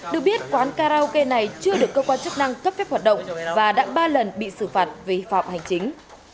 được biết quán karaoke này chưa được cơ quan chức năng cấp phép hoạt động và đã ba lần bị xử phạt vì phạm hành chính